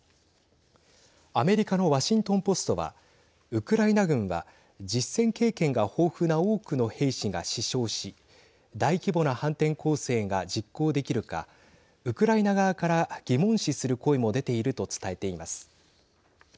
アメリカのワシントン・ポストはウクライナ軍は実戦経験が豊富な多くの兵士が死傷し大規模な反転攻勢が実行できるかウクライナ側から疑問視する声も出ていると伝えています。